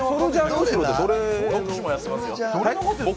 牧師もやってますよ。